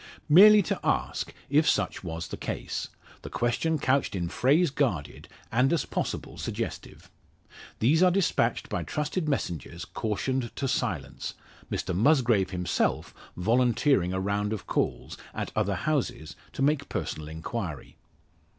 Merely to ask if such was the case, the question couched in phrase guarded, and as possible suggestive. These are dispatched by trusted messengers, cautioned to silence; Mr Musgrave himself volunteering a round of calls, at other houses, to make personal inquiry.